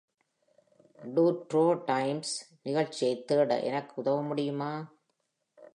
Two row times நிகழ்ச்சியைத் தேட எனக்கு உதவ முடியுமா?